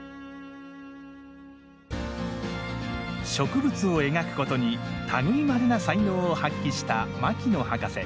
植物を描くことに類いまれな才能を発揮した牧野博士。